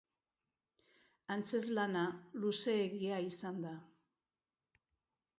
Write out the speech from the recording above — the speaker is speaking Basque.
Antzezlana luzeegia izan da.